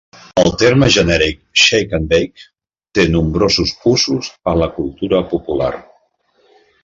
El terme genèric "Shake and Bake" té nombrosos usos en la cultura popular.